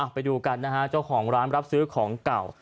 ไปดูกันนะฮะเจ้าของร้านรับซื้อของเก่า